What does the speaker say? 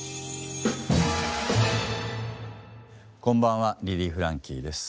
こんばんはリリー・フランキーです。